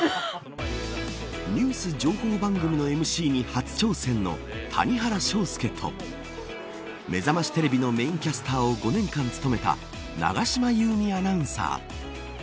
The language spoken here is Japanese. ニュース情報番組のＭＣに初挑戦の谷原章介とめざましテレビのメインキャスターを５年間務めた永島優美アナウンサー。